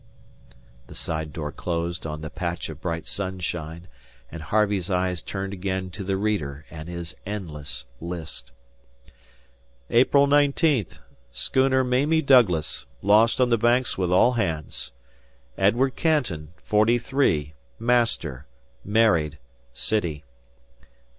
The side door closed on the patch of bright sunshine, and Harvey's eyes turned again to the reader and his endless list. "April 19th. Schooner Mamie Douglas lost on the Banks with all hands. "Edward Canton, 43, master, married, City.